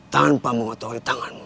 tanpa membeli pelajaran yang lainnya